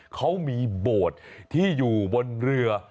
เขามีโบสถ์ที่อยู่บนเรือ